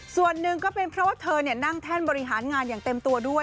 ส่วนหนึ่งก็เป็นเพราะว่าเธอนั่งแท่นบริหารงานอย่างเต็มตัวด้วย